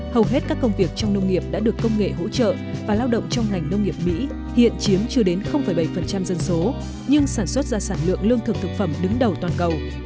hầu hết các công việc trong nông nghiệp đã được công nghệ hỗ trợ và lao động trong ngành nông nghiệp mỹ hiện chiếm chưa đến bảy dân số nhưng sản xuất ra sản lượng lương thực thực phẩm đứng đầu toàn cầu